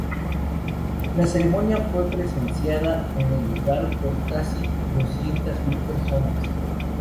La ceremonia fue presenciada en el lugar por casi doscientas mil personas.